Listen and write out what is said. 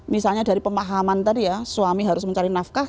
misalnya dari pemahaman tadi ya suami harus mencari nafkah